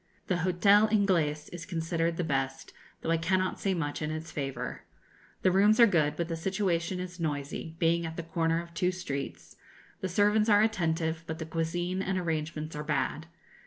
The Hotel Ingles is considered the best, though I cannot say much in its favour. The rooms are good, but the situation is noisy, being at the corner of two streets; the servants are attentive, but the cuisine and arrangements are bad.